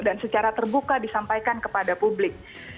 dan secara terbuka disampaikan kepada publik